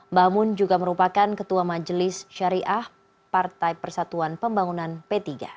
mbah mun juga merupakan ketua majelis syariah partai persatuan pembangunan p tiga